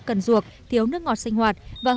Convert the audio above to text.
cần duộc thiếu nước ngọt sinh hoạt